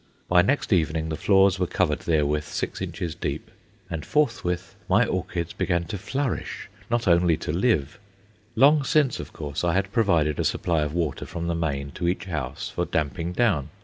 By next evening the floors were covered therewith six inches deep, and forthwith my orchids began to flourish not only to live. Long since, of course, I had provided a supply of water from the main to each house for "damping down."